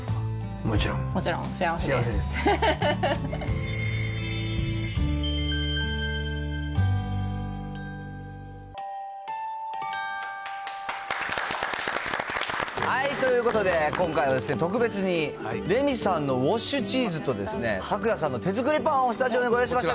もちろん幸せです。ということで、今回は特別に、玲美さんのウォッシュチーズと、拓也さんの手作りパンをスタジオにご用意しました。